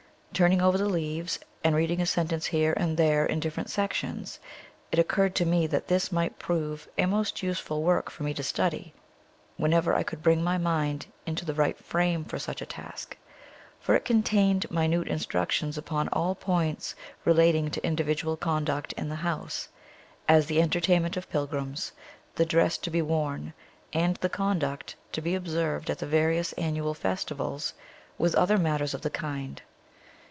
Turning over the leaves, and reading a sentence here and there in different sections, it occurred to me that this might prove a most useful work for me to study, whenever I could bring my mind into the right frame for such a task; for it contained minute instructions upon all points relating to individual conduct in the house as the entertainment of pilgrims, the dress to be worn, and the conduct to be observed at the various annual festivals, with other matters of the kind.